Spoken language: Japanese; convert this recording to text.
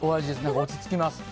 落ち着きます。